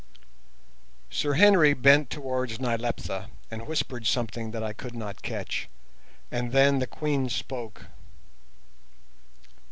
Sir Henry bent towards Nyleptha and whispered something that I could not catch, and then the Queen spoke.